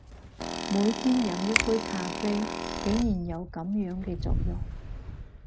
每天飲一杯咖啡，竟然有噉樣嘅作用！